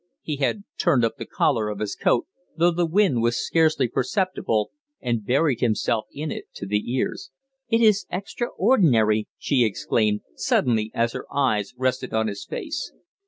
He had turned up the collar of his coat, though the wind was scarcely perceptible, and buried, himself in it to the ears. "It is extraordinary!" she exclaimed, suddenly, as her eyes rested on his face.